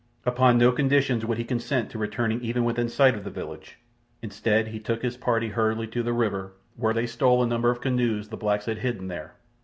Upon no conditions would he consent to returning even within sight of the village. Instead, he took his party hurriedly to the river, where they stole a number of canoes the blacks had hidden there.